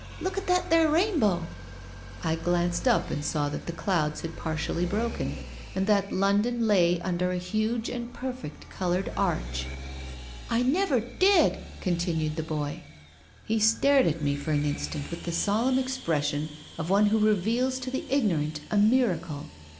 * Look at that there rainbow 1 '" I glanced up and saw that the clouds had par tially broken and that London lay under a huge and perfect coloured arch. "' I never did !' continued the boy. " He stared at me for an instant with the solemn expression of one who reveals to the ignorant a miracle.